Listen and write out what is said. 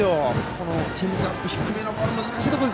このチェンジアップ低めのボールは難しいボール。